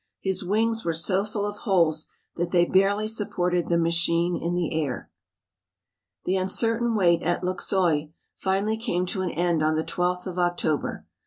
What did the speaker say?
His wings were so full of holes that they barely supported the machine in the air. The uncertain wait at Luxeuil finally came to an end on the 12th of October.